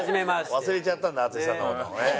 忘れちゃったんだ淳さんの事をね。